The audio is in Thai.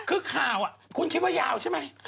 คือข่าวคุณคิดว่ายาวใช่ไหม